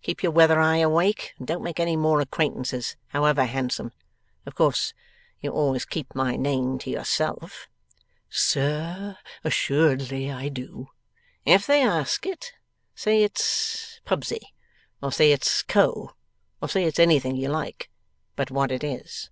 Keep your weather eye awake and don't make any more acquaintances, however handsome. Of course you always keep my name to yourself?' 'Sir, assuredly I do.' 'If they ask it, say it's Pubsey, or say it's Co, or say it's anything you like, but what it is.